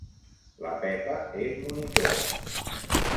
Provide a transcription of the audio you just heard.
La Pepa és monitora.